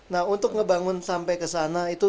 nah untuk ngebangun sampai kesana